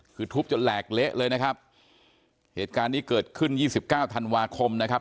คือทุบจนแหลกเละเลยนะครับเหตุการณ์นี้เกิดขึ้นยี่สิบเก้าธันวาคมนะครับ